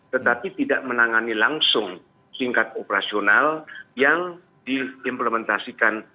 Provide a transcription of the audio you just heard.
tetapi tidak menangani langsung tingkat operasional yang diimplementasikan